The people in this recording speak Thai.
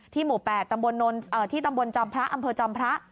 ที่หมู่แปดที่ตำบวนอำเภอจำพระ